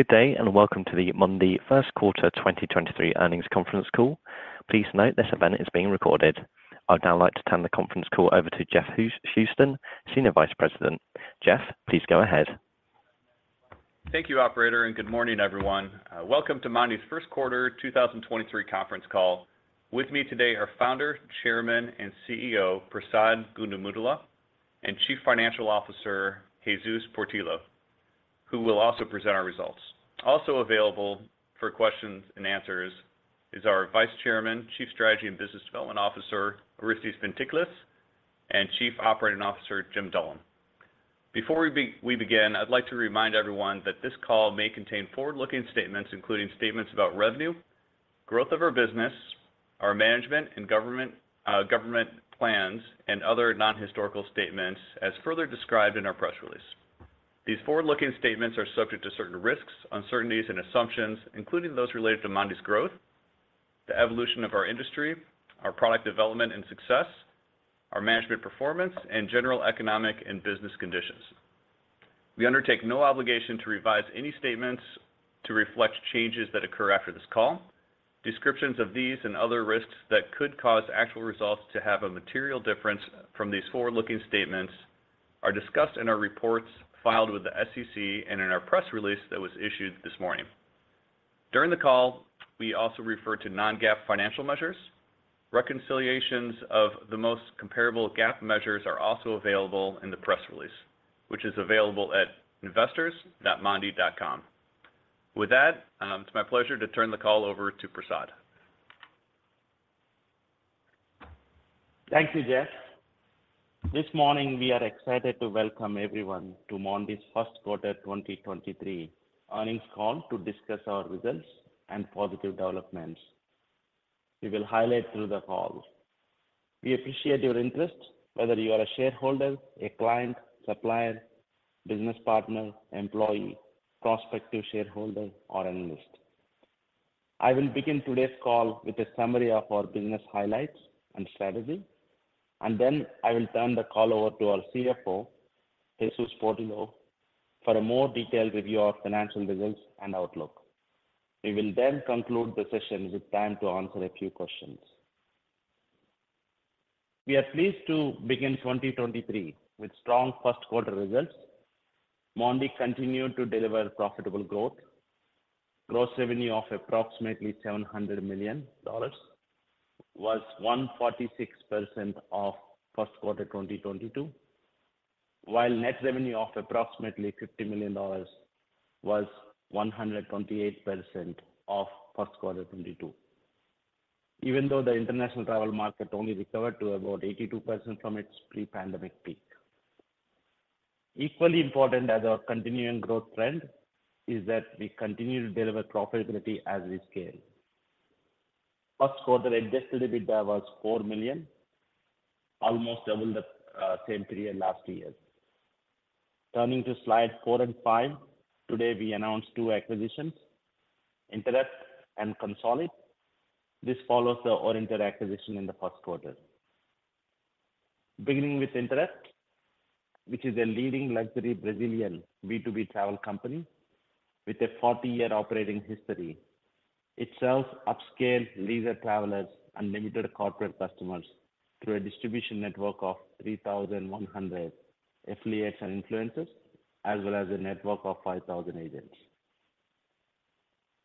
Good day, welcome to the Mondee Q1 2023 earnings conference call. Please note this event is being recorded. I'd now like to turn the conference call over to Jeff Houston, Senior Vice President. Jeff, please go ahead. Thank you, operator, and good morning, everyone. Welcome to Mondee's 1st quarter 2023 conference call. With me today are Founder, Chairman, and CEO, Prasad Gundumogula, and Chief Financial Officer, Jesus Portillo, who will also present our results. Also available for questions and answers is our Vice Chairman, Chief Strategy and Business Development Officer, Orestes Fintiklis, and Chief Operating Officer, Jim Dullum. Before we begin, I'd like to remind everyone that this call may contain forward-looking statements, including statements about revenue, growth of our business, our management and government plans, and other non-historical statements as further described in our press release. These forward-looking statements are subject to certain risks, uncertainties and assumptions, including those related to Mondee's growth, the evolution of our industry, our product development and success, our management performance, and general economic and business conditions. We undertake no obligation to revise any statements to reflect changes that occur after this call. Descriptions of these and other risks that could cause actual results to have a material difference from these forward-looking statements are discussed in our reports filed with the SEC and in our press release that was issued this morning. During the call, we also refer to non-GAAP financial measures. Reconciliations of the most comparable GAAP measures are also available in the press release, which is available at investors.mondee.com. With that, it's my pleasure to turn the call over to Prasad. Thank you, Jeff. This morning, we are excited to welcome everyone to Mondee's Q1 2023 earnings call to discuss our results and positive developments we will highlight through the call. We appreciate your interest, whether you are a shareholder, a client, supplier, business partner, employee, prospective shareholder, or analyst. I will begin today's call with a summary of our business highlights and strategy, and then I will turn the call over to our CFO, Jesus Portillo, for a more detailed review of financial results and outlook. We will conclude the session with time to answer a few questions. We are pleased to begin 2023 with strong Q1 results. Mondee continued to deliver profitable growth. Gross revenue of approximately $700 million was 146% of Q1 2022. While net revenue of approximately $50 million was 128% of Q1 2022. Even though the international travel market only recovered to about 82% from its pre-pandemic peak. Equally important as our continuing growth trend is that we continue to deliver profitability as we scale. Q1 Adjusted EBITDA was $4 million, almost double the same period last year. Turning to slide 4 and 5. Today, we announced two acquisitions, Interep and CONSOLID. This follows the Orinter acquisition in the Q1. Beginning with Interep, which is a leading luxury Brazilian B2B travel company with a 40-year operating history. It sells upscale leisure travelers and limited corporate customers through a distribution network of 3,100 affiliates and influencers, as well as a network of 5,000 agents.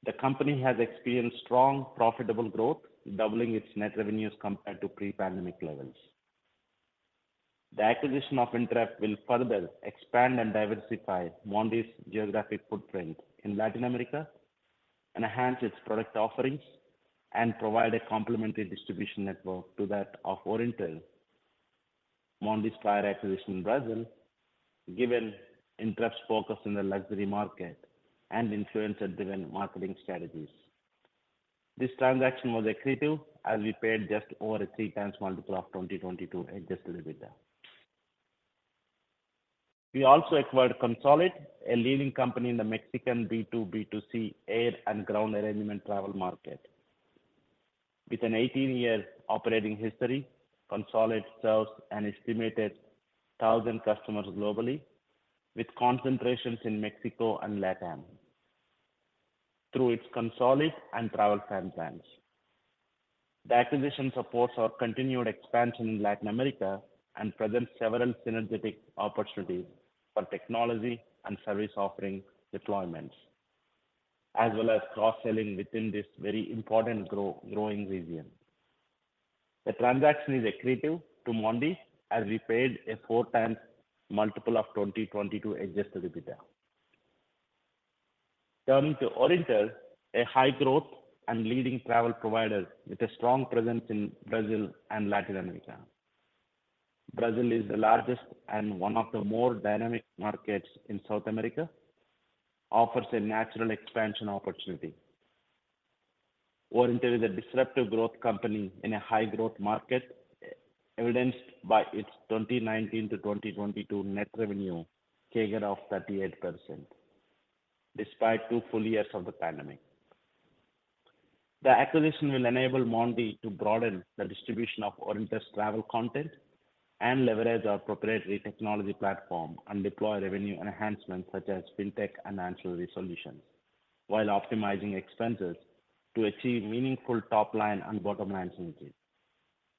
The company has experienced strong profitable growth, doubling its net revenues compared to pre-pandemic levels. The acquisition of Interep will further expand and diversify Mondee's geographic footprint in Latin America, enhance its product offerings, and provide a complementary distribution network to that of Orinter, Mondee's prior acquisition in Brazil, given Interep's focus in the luxury market and influencer-driven marketing strategies. This transaction was accretive as we paid just over a 3x multiple of 2022 Adjusted EBITDA. We also acquired CONSOLID, a leading company in the Mexican B2B2C air and ground arrangement travel market. With an 18-year operating history, CONSOLID serves an estimated 1,000 customers globally, with concentrations in Mexico and LatAm through its CONSOLID and Travel Fund plans. The acquisition supports our continued expansion in Latin America and presents several synergistic opportunities for technology and service offering deployments, as well as cross-selling within this very important growing region. The transaction is accretive to Mondee as we paid a 4x multiple of 2022 Adjusted EBITDA. Turning to Orinter, a high growth and leading travel provider with a strong presence in Brazil and Latin America. Brazil is the largest and one of the more dynamic markets in South America, offers a natural expansion opportunity. Orinter is a disruptive growth company in a high growth market, evidenced by its 2019-2022 net revenue CAGR of 38%, despite two full years of the pandemic. The acquisition will enable Mondee to broaden the distribution of Orinter's travel content and leverage our proprietary technology platform and deploy revenue enhancements such as Fintech and ancillary solutions, while optimizing expenses to achieve meaningful top line and bottom line synergies.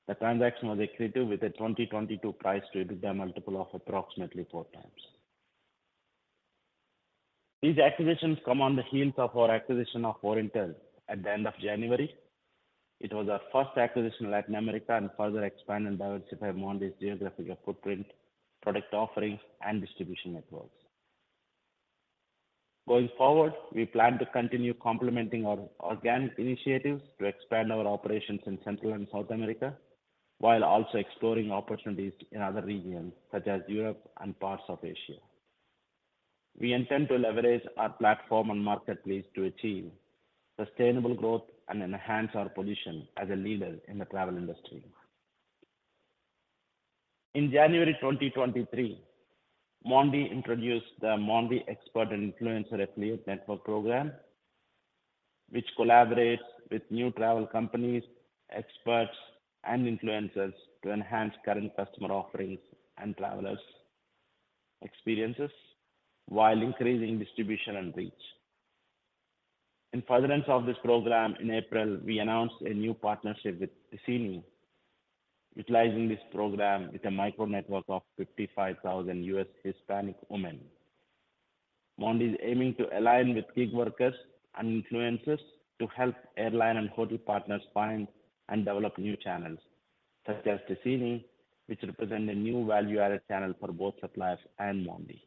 The transaction was accretive with a 2022 price to EBITDA multiple of approximately 4x. These acquisitions come on the heels of our acquisition of Orinter at the end of January. It was our first acquisition in Latin America, and further expand and diversify Mondee's geographical footprint, product offerings, and distribution networks. Going forward, we plan to continue complementing our organic initiatives to expand our operations in Central and South America, while also exploring opportunities in other regions such as Europe and parts of Asia. We intend to leverage our platform and marketplace to achieve sustainable growth and enhance our position as a leader in the travel industry. In January 2023, Mondee introduced the Mondee Expert and Influencer Affiliate Network program, which collaborates with new travel companies, experts, and influencers to enhance current customer offerings and travelers experiences while increasing distribution and reach. In furtherance of this program, in April, we announced a new partnership with Tecine, utilizing this program with a micro network of 55,000 U.S. Hispanic women. Mondee is aiming to align with gig workers and influencers to help airline and hotel partners find and develop new channels such as Tecine, which represent a new value-added channel for both suppliers and Mondee.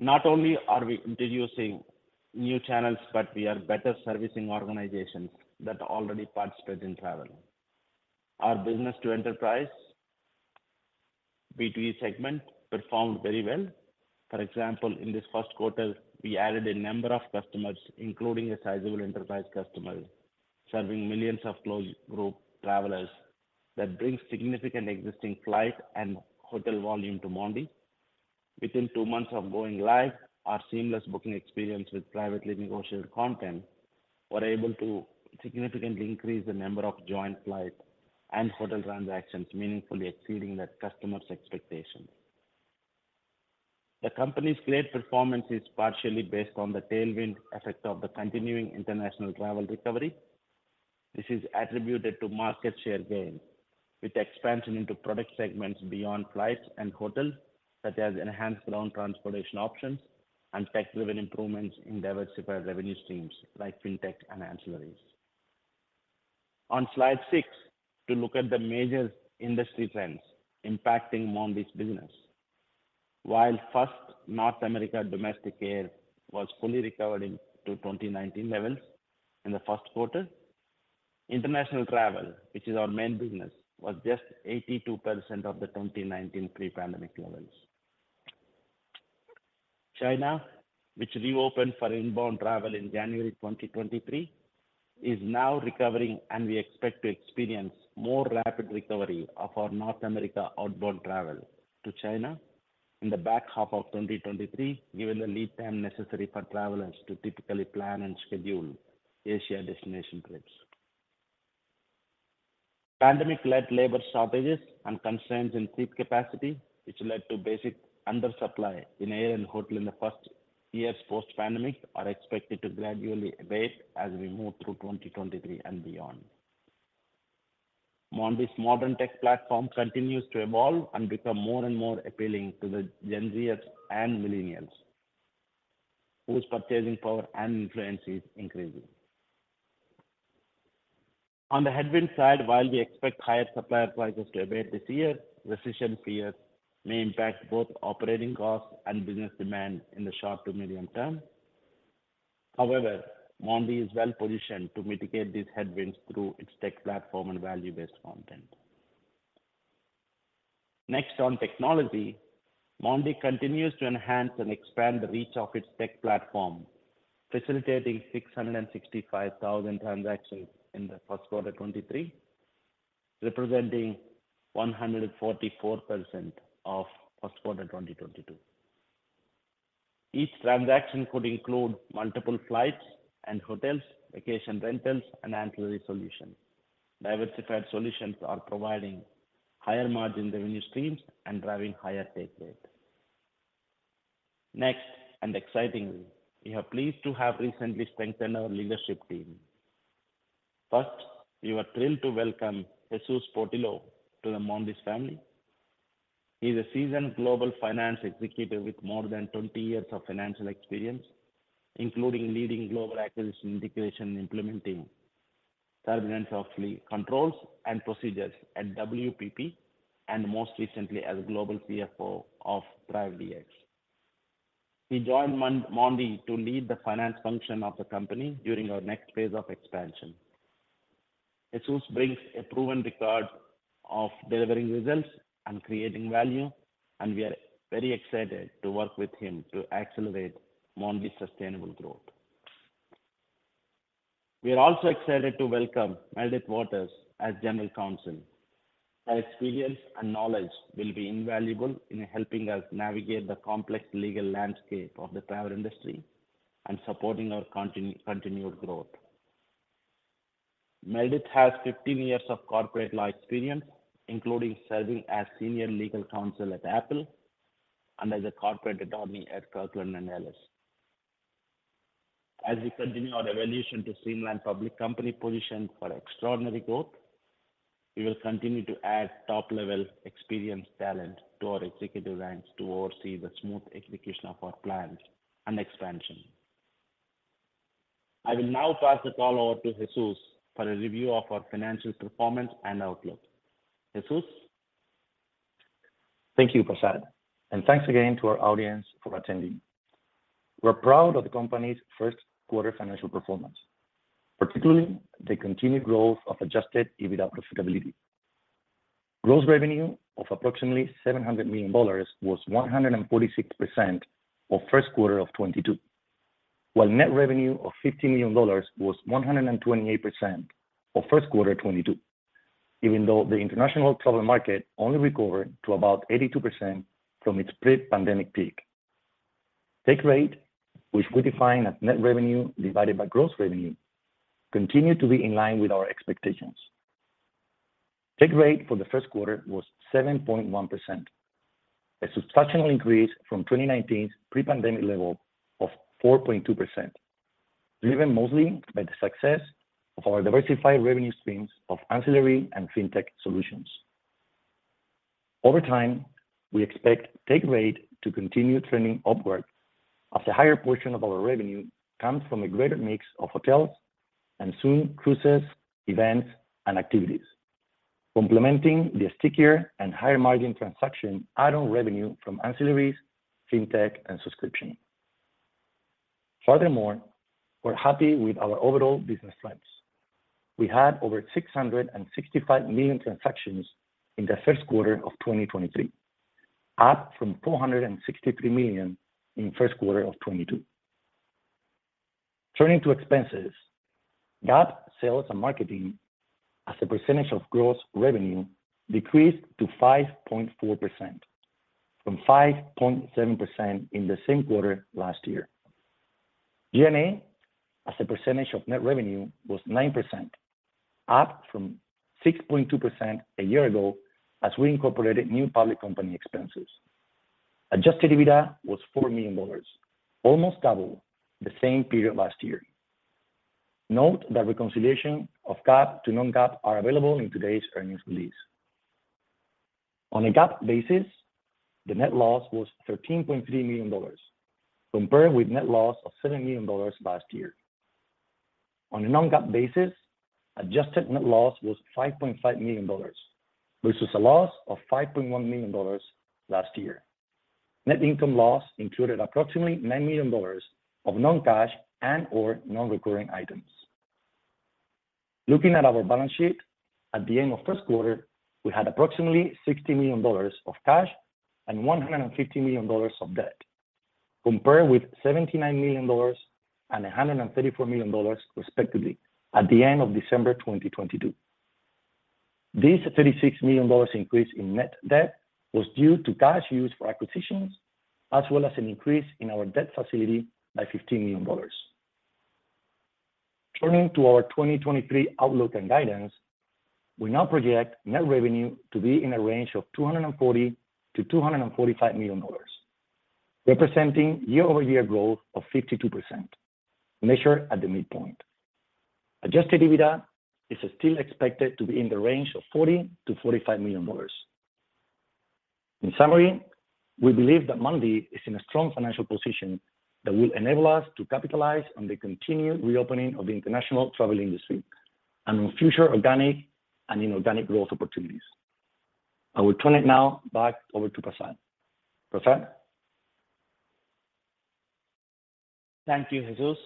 Not only are we introducing new channels, but we are better servicing organizations that already participate in travel. Our business to enterprise B2E segment performed very well. For example, in this Q1, we added a number of customers, including a sizable enterprise customer, serving millions of closed group travelers that bring significant existing flight and hotel volume to Mondee. Within 2 months of going live, our seamless booking experience with privately negotiated content were able to significantly increase the number of joint flight and hotel transactions, meaningfully exceeding the customers' expectations. The company's great performance is partially based on the tailwind effect of the continuing international travel recovery. This is attributed to market share gains with expansion into product segments beyond flights and hotels, such as enhanced ground transportation options and tech-driven improvements in diversified revenue streams like Fintech and ancillaries. On slide 6, to look at the major industry trends impacting Mondee's business. While first North America domestic air was fully recovered in to 2019 levels in the Q1, international travel, which is our main business, was just 82% of the 2019 pre-pandemic levels. China, which reopened for inbound travel in January 2023, is now recovering, and we expect to experience more rapid recovery of our North America outbound travel to China in the back half of 2023, given the lead time necessary for travelers to typically plan and schedule Asia destination trips. Pandemic-led labor shortages and constraints in seat capacity, which led to basic undersupply in air and hotel in the first years post-pandemic, are expected to gradually abate as we move through 2023 and beyond. Mondee's modern tech platform continues to evolve and become more and more appealing to the Gen Zers and millennials, whose purchasing power and influence is increasing. On the headwind side, while we expect higher supplier prices to abate this year, recession fears may impact both operating costs and business demand in the short to medium term. However, Mondee is well positioned to mitigate these headwinds through its tech platform and value-based content. Next on technology. Mondee continues to enhance and expand the reach of its tech platform, facilitating 665,000 transactions in the Q1 2023, representing 144% of Q1 2022. Each transaction could include multiple flights and hotels, vacation rentals, and ancillary solutions. Diversified solutions are providing higher-margin revenue streams and driving higher take rate. Next, and excitingly, we are pleased to have recently strengthened our leadership team. First, we were thrilled to welcome Jesus Portillo to the Mondee's family. He's a seasoned global finance executive with more than 20 years of financial experience, including leading global acquisition integration, implementing thousands of controls and procedures at WPP, and most recently as Global CFO of ThriveDX. He joined Mondee to lead the finance function of the company during our next phase of expansion. Jesus brings a proven record of delivering results and creating value, and we are very excited to work with him to accelerate Mondee's sustainable growth. We are also excited to welcome Meredith Waters as General Counsel. Her experience and knowledge will be invaluable in helping us navigate the complex legal landscape of the travel industry and supporting our continued growth. Meredith has 15 years of corporate law experience, including serving as Senior Legal Counsel at Apple and as a corporate attorney at Kirkland & Ellis. As we continue our evolution to streamline public company position for extraordinary growth, we will continue to add top-level experienced talent to our executive ranks to oversee the smooth execution of our plans and expansion. I will now pass the call over to Jesus for a review of our financial performance and outlook. Jesus. Thank you, Prasad. Thanks again to our audience for attending. We're proud of the company's Q1 financial performance, particularly the continued growth of Adjusted EBITDA profitability. Gross revenue of approximately $700 million was 146% of Q1 of 2022. Net revenue of $50 million was 128% of Q1 2022. Even though the international travel market only recovered to about 82% from its pre-pandemic peak. Take rate, which we define as net revenue divided by gross revenue, continued to be in line with our expectations. Take rate for the Q1 was 7.1%, a substantial increase from 2019's pre-pandemic level of 4.2%, driven mostly by the success of our diversified revenue streams of ancillary and Fintech solutions. Over time, we expect take rate to continue trending upward as a higher portion of our revenue comes from a greater mix of hotels and soon cruises, events, and activities. Complementing the stickier and higher margin transaction add-on revenue from ancillaries, fintech, and subscription. We're happy with our overall business trends. We had over 665 million transactions in the Q1 of 2023, up from 463 million in Q1 of 2022. Turning to expenses, GAAP sales and marketing as a percentage of gross revenue decreased to 5.4% from 5.7% in the same quarter last year. G&A as a percentage of net revenue was 9%, up from 6.2% a year ago as we incorporated new public company expenses. Adjusted EBITDA was $4 million, almost double the same period last year. Note that reconciliation of GAAP to non-GAAP are available in today's earnings release. On a GAAP basis, the net loss was $13.3 million, compared with net loss of $7 million last year. On a non-GAAP basis, adjusted net loss was $5.5 million, versus a loss of $5.1 million last year. Net income loss included approximately $9 million of non-cash and/or non-recurring items. Looking at our balance sheet, at the end of Q1, we had approximately $60 million of cash and $150 million of debt, compared with $79 million and $134 million respectively at the end of December 2022. This $36 million increase in net debt was due to cash used for acquisitions as well as an increase in our debt facility by $15 million. Turning to our 2023 outlook and guidance, we now project net revenue to be in a range of $240 million-$245 million, representing year-over-year growth of 52%, measured at the midpoint. Adjusted EBITDA is still expected to be in the range of $40 million-$45 million. In summary, we believe that Mondee is in a strong financial position that will enable us to capitalize on the continued reopening of the international travel industry and on future organic and inorganic growth opportunities. I will turn it now back over to Prasad. Prasad. Thank you, Jesus.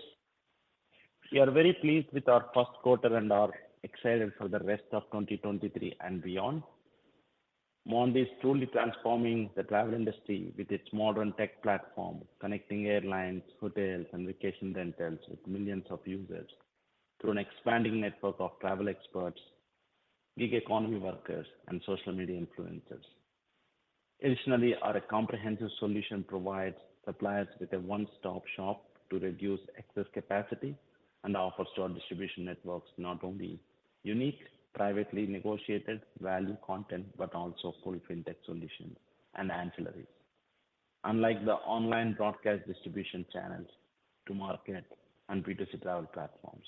We are very pleased with our Q1 and are excited for the rest of 2023 and beyond. Mondee is truly transforming the travel industry with its modern tech platform, connecting airlines, hotels, and vacation rentals with millions of users through an expanding network of travel experts, gig economy workers, and social media influencers. Additionally, our comprehensive solution provides suppliers with a one-stop shop to reduce excess capacity and offer strong distribution networks not only unique, privately negotiated value content, but also full Fintech solutions and ancillaries. Unlike the online broadcast distribution channels to market and B2C travel platforms,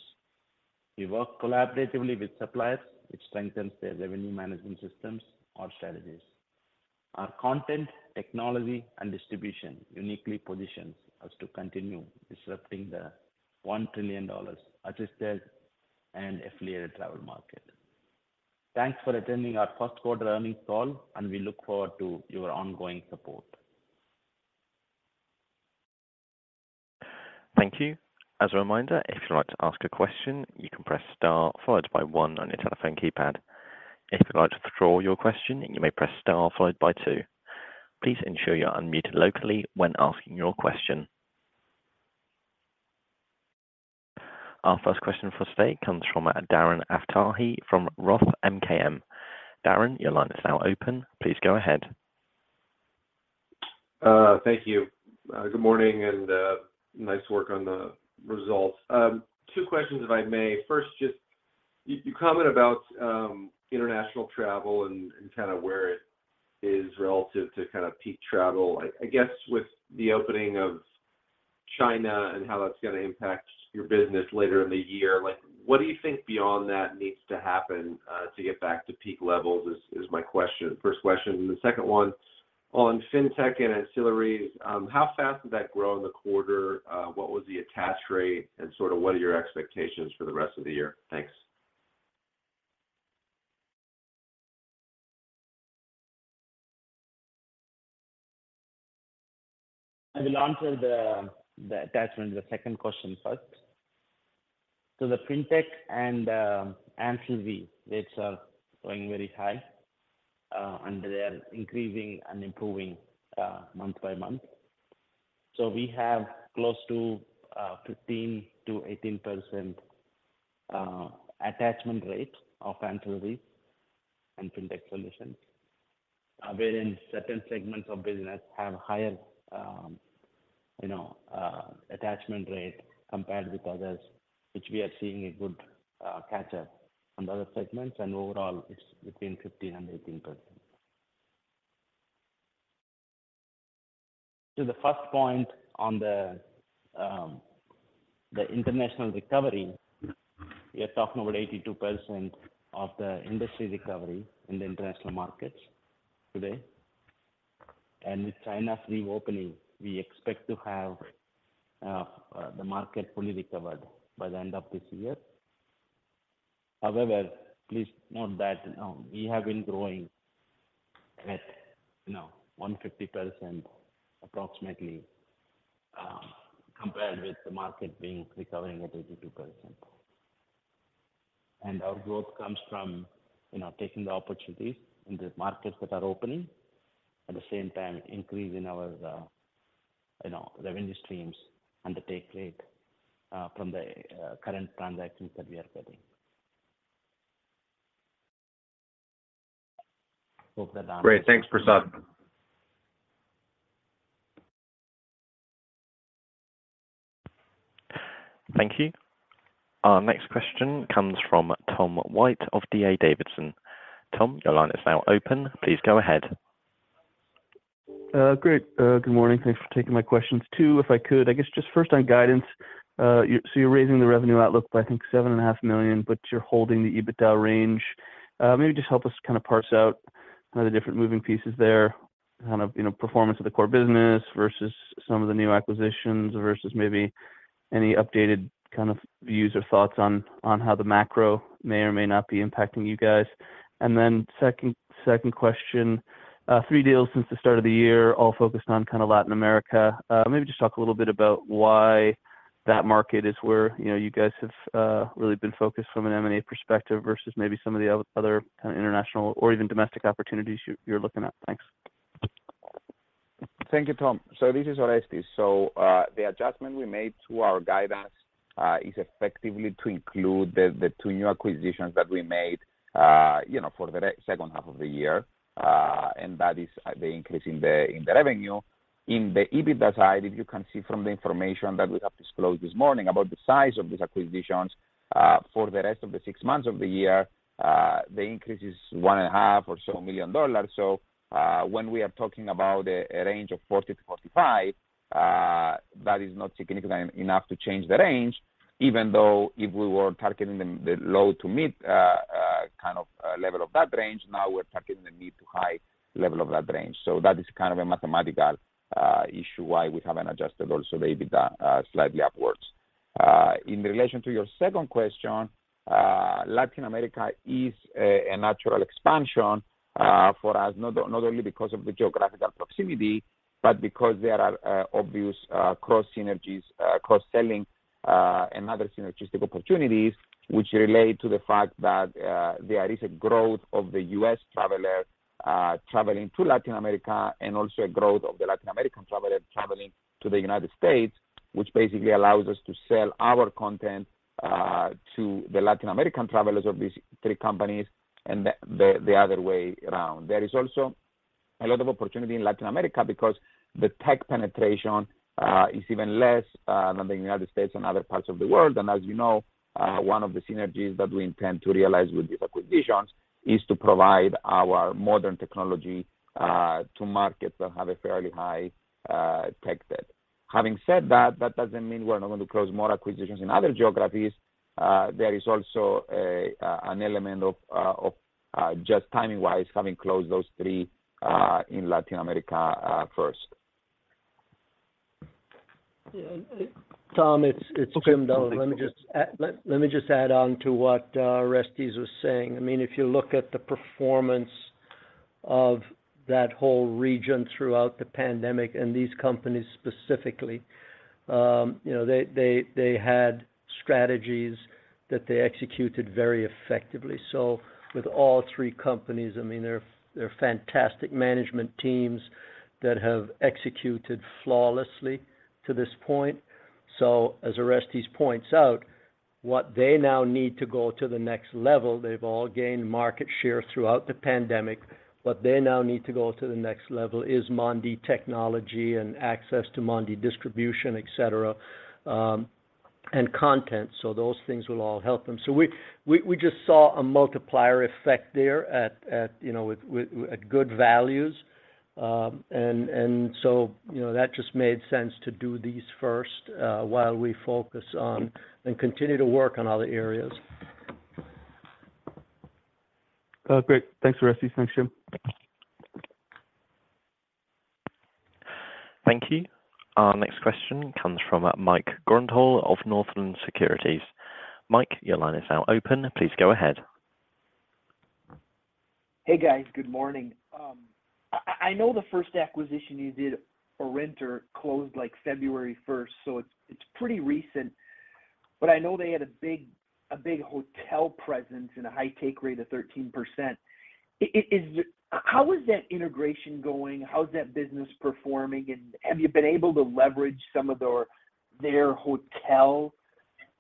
we work collaboratively with suppliers which strengthens their revenue management systems or strategies. Our content, technology, and distribution uniquely positions us to continue disrupting the $1 trillion assisted and affiliated travel market. Thanks for attending our Q1 earnings call, and we look forward to your ongoing support. Thank you. As a reminder, if you'd like to ask a question, you can press star followed by one on your telephone keypad. If you'd like to withdraw your question, you may press star followed by two. Please ensure you're unmuted locally when asking your question. Our first question for today comes from Darren Aftahi from ROTH MKM. Darren, your line is now open. Please go ahead. Thank you. Good morning, and nice work on the results. Two questions if I may. First, just you comment about international travel and kind of where it is relative to kind of peak travel. I guess with the opening of China and how that's gonna impact your business later in the year. Like what do you think beyond that needs to happen to get back to peak levels? Is my question. First question. The second one on FinTech and ancillaries, how fast did that grow in the quarter? What was the attach rate and sort of what are your expectations for the rest of the year? Thanks. I will answer the attachment, the second question first. The FinTech and ancillary rates are going very high, and they are increasing and improving month by month. We have close to 15%-18% attachment rate of ancillary and FinTech solutions. Wherein certain segments of business have higher, you know, attachment rate compared with others, which we are seeing a good catch up on the other segments and overall it's between 15% and 18%. To the first point on the international recovery, we are talking about 82% of the industry recovery in the international markets today. With China's reopening, we expect to have the market fully recovered by the end of this year. However, please note that, we have been growing at, you know, 150% approximately, compared with the market being recovering at 82%. Our growth comes from, you know, taking the opportunities in the markets that are opening at the same time increasing our, you know, revenue streams and the take rate, from the, current transactions that we are getting. Hope that answers. Great. Thanks, Prasad. Thank you. Our next question comes from Tom White of D.A. Davidson. Tom, your line is now open. Please go ahead. Great. Good morning. Thanks for taking my questions. Two, if I could. I guess just first on guidance. So you're raising the revenue outlook by, I think, seven and a half million, but you're holding the EBITDA range. Maybe just help us kind of parse out kind of the different moving pieces there. Kind of, you know, performance of the core business versus some of the new acquisitions versus maybe any updated kind of views or thoughts on how the macro may or may not be impacting you guys. Second question. Three deals since the start of the year, all focused on kind of Latin America. Maybe just talk a little bit about why that market is where, you know, you guys have really been focused from an M&A perspective versus maybe some of the other kind of international or even domestic opportunities you're looking at. Thanks. Thank you, Tom. This is Orestes. The adjustment we made to our guidance is effectively to include the two new acquisitions that we made, you know, for the second half of the year. That is the increase in the revenue. In the EBITDA side, if you can see from the information that we have disclosed this morning about the size of these acquisitions, for the rest of the six months of the year, the increase is one and a half or so million dollars. When we are talking about a range of 40-45, that is not significant enough to change the range, even though if we were targeting the low to mid, kind of, level of that range, now we're targeting the mid to high level of that range. That is kind of a mathematical, issue why we have an adjusted also the EBITDA, slightly upwards. In relation to your second question, Latin America is a natural expansion for us, not only because of the geographical proximity, but because there are obvious cross synergies, cross-selling, and other synergistic opportunities which relate to the fact that there is a growth of the U.S. traveler traveling to Latin America and also a growth of the Latin American traveler traveling to the United States, which basically allows us to sell our content to the Latin American travelers of these three companies and the other way around. There is also a lot of opportunity in Latin America because the tech penetration is even less than the United States and other parts of the world. As you know, one of the synergies that we intend to realize with these acquisitions is to provide our modern technology to markets that have a fairly high tech debt. Having said that doesn't mean we're not going to close more acquisitions in other geographies. There is also an element of just timing-wise, having closed those three in Latin America first. Yeah. Tom, it's Jim Dullum. Okay. Let me just add on to what Orestes was saying. I mean, if you look at the performance of that whole region throughout the pandemic, and these companies specifically, you know, they had strategies that they executed very effectively. With all three companies, I mean, they're fantastic management teams that have executed flawlessly to this point. As Orestes points out, what they now need to go to the next level, they've all gained market share throughout the pandemic. What they now need to go to the next level is Mondee technology and access to Mondee distribution, et cetera, and content. Those things will all help them. We just saw a multiplier effect there at, you know, with, at good values. You know, that just made sense to do these first, while we focus on and continue to work on other areas. Great. Thanks, Orestes. Thanks, Jim. Thank you. Our next question comes from Michael Grondahl of Northland Securities. Mike, your line is now open. Please go ahead. Hey, guys. Good morning. I know the first acquisition you did for Orinter closed, like, February 1st, so it's pretty recent. I know they had a big hotel presence and a high take rate of 13%. How is that integration going? How's that business performing? Have you been able to leverage some of their hotel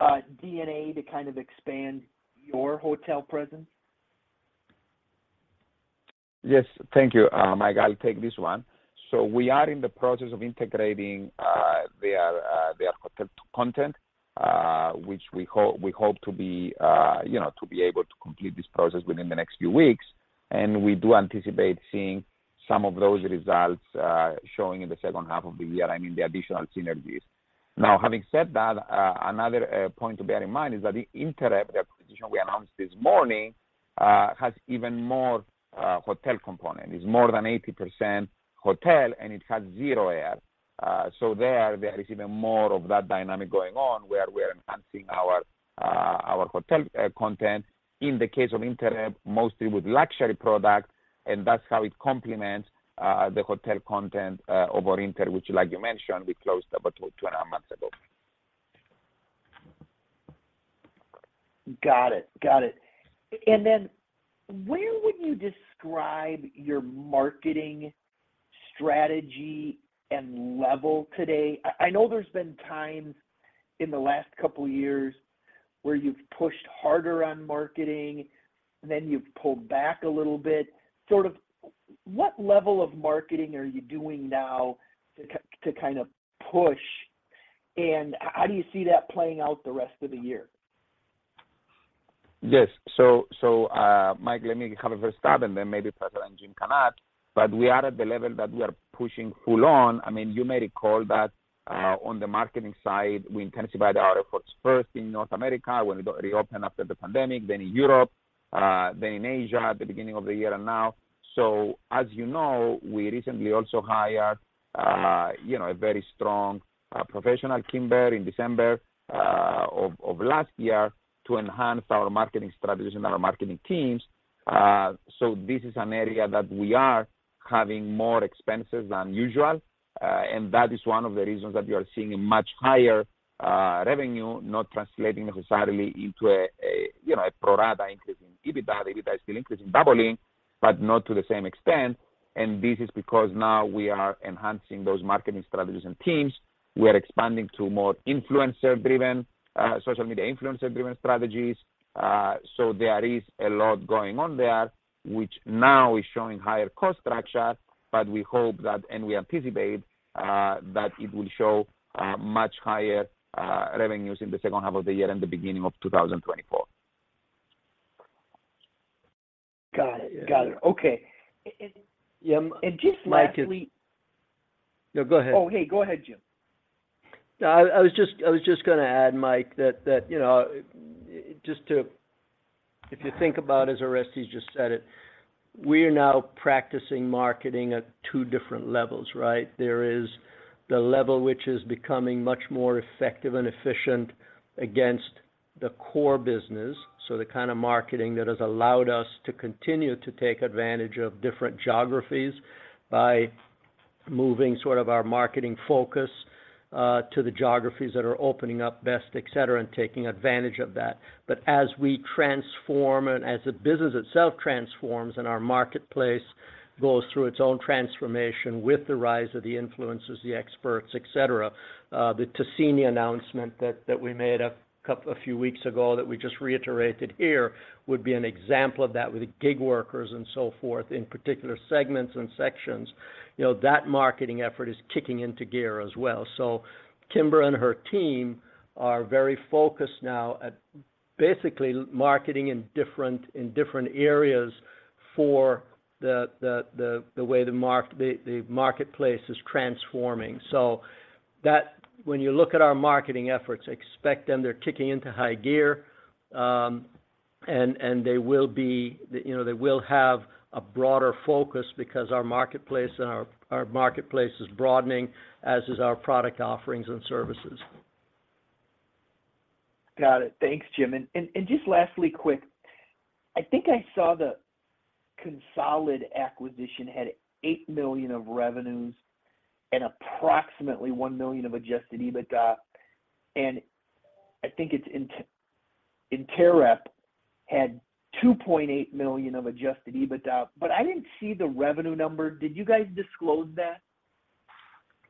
DNA to kind of expand your hotel presence? Yes. Thank you, Michael. I'll take this one. We are in the process of integrating their content, which we hope to be, you know, to be able to complete this process within the next few weeks. We do anticipate seeing some of those results showing in the second half of the year. I mean, the additional synergies. Now, having said that, another point to bear in mind is that the Interep, the acquisition we announced this morning, has even more hotel component. It's more than 80% hotel, and it has 0 air. There is even more of that dynamic going on, where we are enhancing our hotel content in the case of Interep, mostly with luxury products. That's how it complements the hotel content of Orinter, which like you mentioned, we closed about two and a half months ago. Got it. Where would you describe your marketing strategy and level today? I know there's been times in the last couple years where you've pushed harder on marketing, and then you've pulled back a little bit. Sort of what level of marketing are you doing now to kind of push, and how do you see that playing out the rest of the year? Yes. Michael, let me have a first stab, and then maybe President Jim can add. We are at the level that we are pushing full on. I mean, you may recall that on the marketing side, we intensified our efforts first in North America when we reopened after the pandemic, then in Europe, then in Asia at the beginning of the year and now. As you know, we recently also hired, you know, a very strong professional, Kymber, in December of last year to enhance our marketing strategies and our marketing teams. This is an area that we are having more expenses than usual, and that is one of the reasons that we are seeing a much higher revenue not translating necessarily into a, you know, a pro rata increase in EBITDA. EBITDA is still increasing doubly, but not to the same extent. This is because now we are enhancing those marketing strategies and teams. We are expanding to more influencer driven, social media influencer driven strategies. There is a lot going on there, which now is showing higher cost structure, but we hope that, and we anticipate, that it will show, much higher, revenues in the second half of the year and the beginning of 2024. Got it. Okay. Yeah. Just lastly. Mike, if Yeah, go ahead. Hey, go ahead, Jim. No, I was just gonna add, Michael, that, you know, just to If you think about, as Orestes just said it, we are now practicing marketing at two different levels, right? There is the level which is becoming much more effective and efficient against the core business, so the kind of marketing that has allowed us to continue to take advantage of different geographies by moving sort of our marketing focus to the geographies that are opening up best, et cetera, and taking advantage of that. As we transform and as the business itself transforms and our marketplace goes through its own transformation with the rise of the influencers, the experts, et cetera, the Tecine announcement that we made a few weeks ago that we just reiterated here would be an example of that with gig workers and so forth, in particular segments and sections. You know, that marketing effort is kicking into gear as well. Kymber and her team are very focused now at basically marketing in different, in different areas for the, the way the marketplace is transforming. That when you look at our marketing efforts, expect them, they're kicking into high gear, and they will be, you know, they will have a broader focus because our marketplace and our marketplace is broadening, as is our product offerings and services. Got it. Thanks, Jim. Just lastly, quick I think I saw the CONSOLID acquisition had $8 million of revenues and approximately $1 million of Adjusted EBITDA. I think it's Interep had $2.8 million of Adjusted EBITDA, but I didn't see the revenue number. Did you guys disclose that?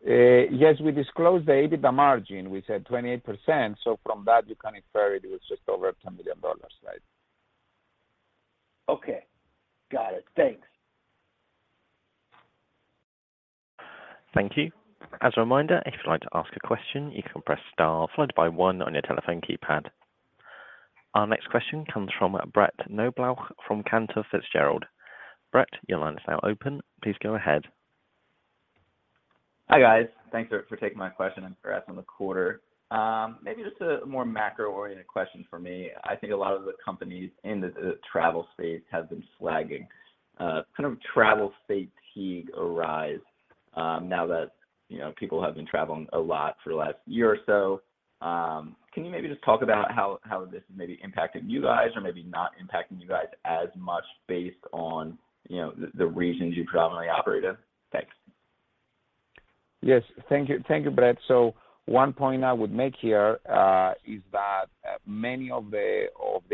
Yes, we disclosed the EBITDA margin. We said 28%. From that you can infer it was just over $10 million. Right. Okay. Got it. Thanks. Thank you. As a reminder, if you'd like to ask a question, you can press star 1 on your telephone keypad. Our next question comes from Brett Knoblauch from Cantor Fitzgerald. Brett, your line is now open. Please go ahead. Hi, Everyone. Thanks for taking my question and for asking on the quarter. Maybe just a more macro-oriented question for me. I think a lot of the companies in the travel space have been flagging kind of travel fatigue arise, now that, you know, people have been traveling a lot for the last year or so. Can you maybe just talk about how this is maybe impacting you guys or maybe not impacting you guys as much based on, you know, the regions you predominantly operate in? Thanks. Thank you. Brett. One point I would make here is that many of the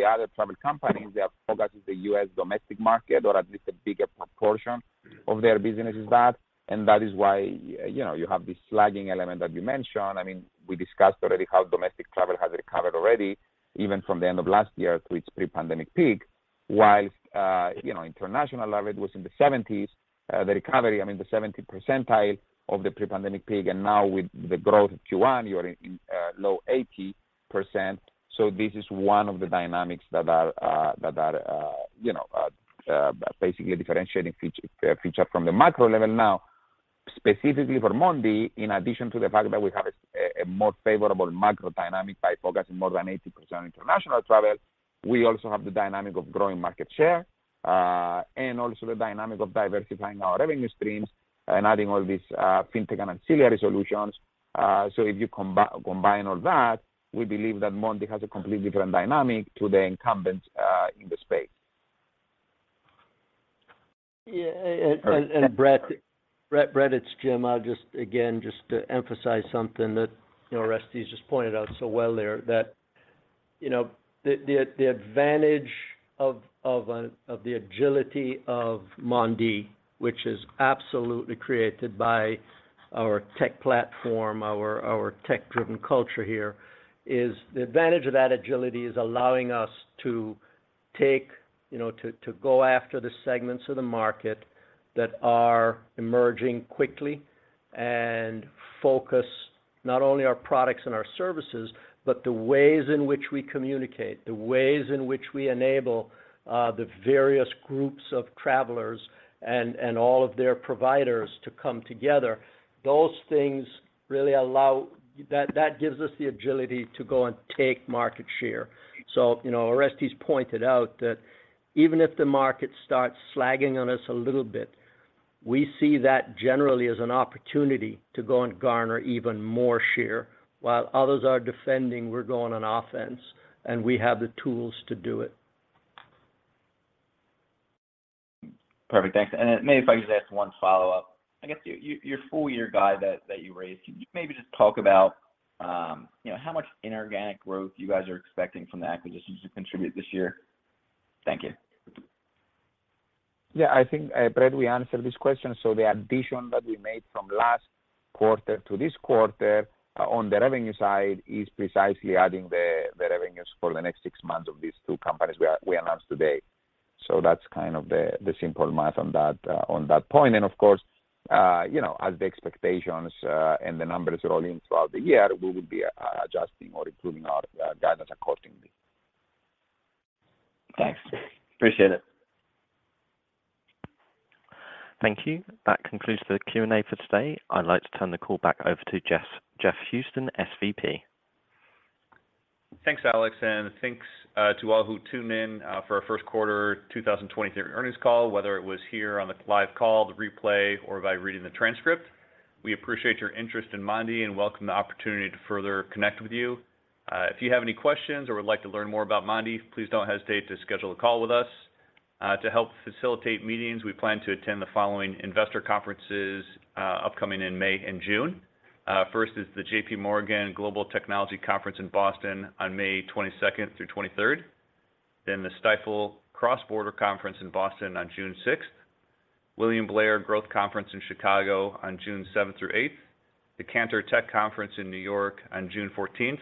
other travel companies, their focus is the U.S. domestic market, or at least a bigger proportion of their business is that. That is why, you know, you have this flagging element that you mentioned. I mean, we discussed already how domestic travel has recovered already, even from the end of last year to its pre-pandemic peak. International travel was in the 70%, the recovery, I mean, the 70% of the pre-pandemic peak, and now with the growth of Q1, you are in low 80%. This is one of the dynamics that are, you know, basically differentiating future from the macro level. Specifically for Mondee, in addition to the fact that we have a more favorable macro dynamic by focusing more than 80% on international travel, we also have the dynamic of growing market share, and also the dynamic of diversifying our revenue streams and adding all these fintech and ancillary solutions. If you combine all that, we believe that Mondee has a completely different dynamic to the incumbents in the space. Brett, it's Jim. I'll just again, just to emphasize something that, you know, Orestes just pointed out so well there. You know, the advantage of the agility of Mondee, which is absolutely created by our tech platform, our tech-driven culture here, is the advantage of that agility is allowing us to take, you know, to go after the segments of the market that are emerging quickly, and focus not only our products and our services, but the ways in which we communicate, the ways in which we enable, the various groups of travelers and all of their providers to come together. That gives us the agility to go and take market share. Orestes pointed out that even if the market starts flagging on us a little bit, we see that generally as an opportunity to go and garner even more share. While others are defending, we're going on offense, and we have the tools to do it. Perfect. Thanks. Maybe if I could just ask one follow-up. I guess your full year guide that you raised, can you maybe just talk about, you know, how much inorganic growth you guys are expecting from the acquisitions to contribute this year? Thank you. I think, Brett, we answered this question. The addition that we made from last quarter to this quarter on the revenue side is precisely adding the revenues for the next six months of these two companies we announced today. That's kind of the simple math on that, on that point. Of course, you know, as the expectations and the numbers roll in throughout the year, we will be adjusting or improving our guidance accordingly. Thanks. Appreciate it. Thank you. That concludes the Q&A for today. I'd like to turn the call back over to Jeff Houston, SVP. Thanks, Alex. Thanks to all who tuned in for our 1st quarter 2023 earnings call, whether it was here on the live call, the replay, or by reading the transcript. We appreciate your interest in Mondee and welcome the opportunity to further connect with you. If you have any questions or would like to learn more about Mondee, please don't hesitate to schedule a call with us. To help facilitate meetings, we plan to attend the following investor conferences upcoming in May and June. First is the JPMorgan Global Technology Conference in Boston on May 22nd through 23rd, then the Stifel Cross Border Conference in Boston on June 6th, William Blair Growth Conference in Chicago on June seventh through eighth, the Cantor Tech Conference in New York on June 14th,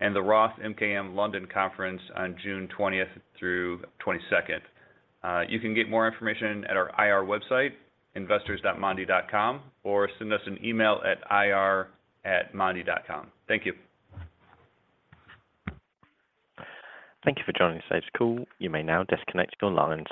and the Roth MKM London Conference on June 20th through 22nd. You can get more information at our IR website, investors.mondee.com, or send us an email at ir@mondee.com. Thank you. Thank you for joining today's call. You may now disconnect your line.